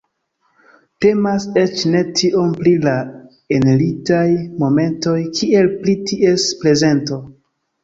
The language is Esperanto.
Temas eĉ ne tiom pri la enlitaj momentoj, kiel pri ties prezento.